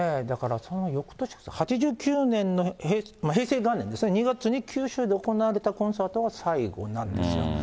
だから、そのよくとし８９年の、平成元年ですね、２月に九州で行われたコンサートが最後なんですよ。